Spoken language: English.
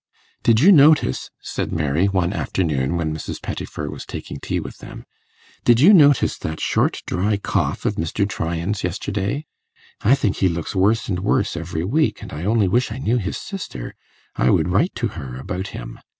'Did you notice,' said Mary, one afternoon when Mrs. Pettifer was taking tea with them 'did you notice that short dry cough of Mr. Tryan's yesterday? I think he looks worse and worse every week, and I only wish I knew his sister; I would write to her about him.